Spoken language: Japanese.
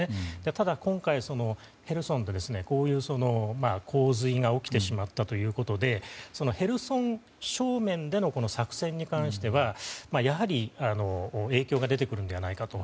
ただ今回、ヘルソンでこういう洪水が起きてしまったということでヘルソン正面での作戦に関してはやはり影響が出てくるのではないかと。